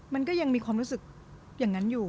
มันก็ยังมีความรู้สึกอย่างนั้นอยู่